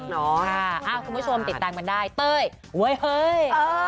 คุณผู้ชมติดตามกันได้เต้ยเว้ยเฮ้ย